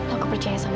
aku percaya sama kamu